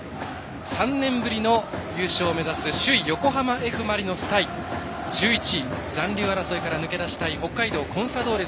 ３年ぶりの優勝を目指す首位横浜Ｆ・マリノス対１１位、残留争いから抜け出したい北海道コンサドーレ